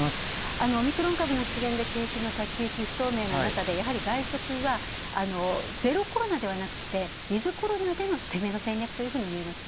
オミクロン株で景気の先行き、不透明ななかで、やはり外食はゼロコロナではなくてウィズコロナでの攻めの戦略というふうにみられますね。